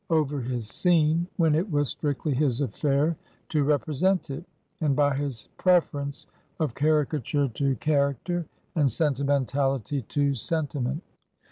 over his scene when it was strictly his affair to represent it, and by his preference of caricature to character, and sentimentality to sen timent.